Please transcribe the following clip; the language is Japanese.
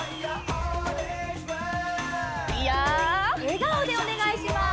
笑顔でお願いします。